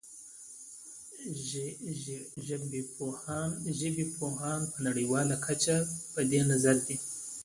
ژبپوهان په نړیواله کچه په دې نظر دي